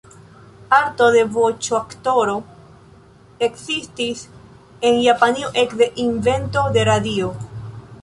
Arto de voĉoaktoro ekzistis en Japanio ekde invento de radio.